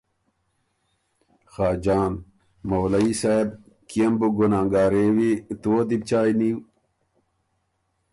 خاجان ـــ”مولَيي صاب! کيې م بُو ګنانګارېوی، تُو وه دی بُو چایٛ نیو؟“